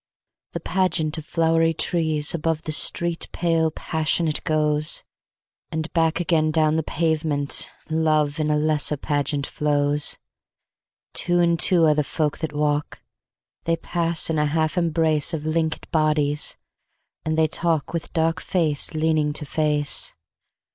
..... .The pageant of flowery trees aboveThe street pale passionate goes, And back again down the pavement, LoveIn a lesser pageant flows. Two and two are the folk that walk, They pass in a half embraceOf linkèd bodies, and they talkWith dark face leaning to face.